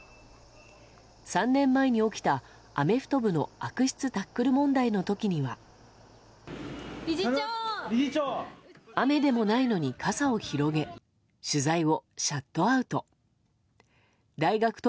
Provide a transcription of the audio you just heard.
３年前に起きたアメフト部の悪質タックル問題の時には雨でもないのに傘を広げ取材をシャットアウト。